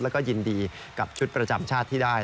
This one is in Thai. แล้วก็ยินดีกับชุดประจำชาติที่ได้